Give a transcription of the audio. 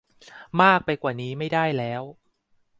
มากไปกว่านี้ไม่ได้แล้ว